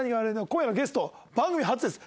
今夜のゲスト番組初です！